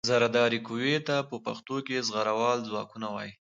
زرهدارې قوې ته په پښتو کې زغروال ځواکونه وايي.